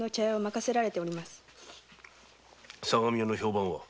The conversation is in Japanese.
そうか相模屋の評判は？